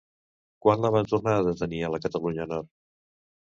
Quan la van tornar a detenir a la Catalunya Nord?